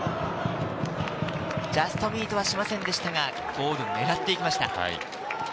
ジャストミートはしませんでしたが、ゴール狙っていきました。